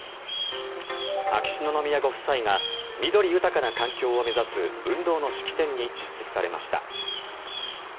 秋篠宮ご夫妻が緑豊かな環境を目指す運動の式典に出席されました。